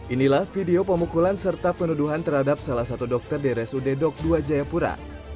inilah video pemukulan serta penuduhan terhadap salah satu dokter di rsud dok dua jayapura